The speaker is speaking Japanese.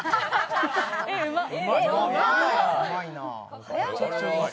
絵うまっ。